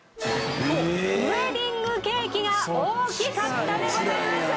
「ウエディングケーキが大きかった」でございます。